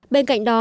bên cạnh đó